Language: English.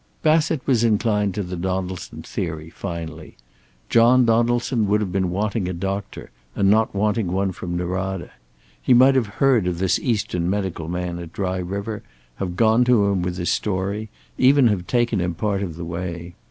Bassett was inclined to the Donaldson theory, finally. John Donaldson would have been wanting a doctor, and not wanting one from Norada. He might have heard of this Eastern medical man at Dry River, have gone to him with his story, even have taken him part of the way.